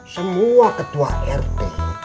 semua ketua rt